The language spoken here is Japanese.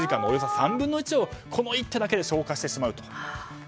およそ３分の１をこの一手だけで消化してしまうと。